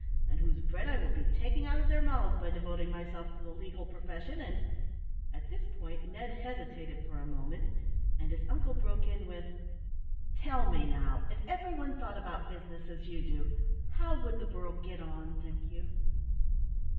and whose bread I would be taking out of their mouths by devoting myself to the legal profession, and " At this point Ned hesitated for a moment, and his uncle broke in with "Tell me, now, if every one thought about business as you do, how would the world get on, think you?"